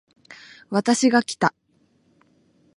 私がきた